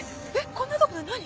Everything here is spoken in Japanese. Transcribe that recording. こんなところで何？